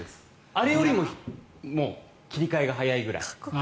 あれよりも切り替えが速いぐらい。